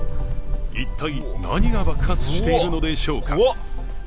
一体何が爆発しているのでしょうか。